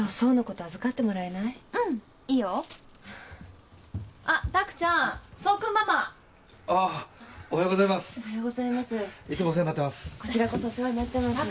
こちらこそお世話になってます。